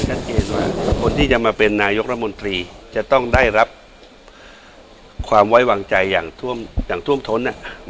สังเกชว่าคนที่จะมาเป็นนายกระมวลตรีจะต้องได้รับความวัยวังใจอย่างท่วมทนน่ะ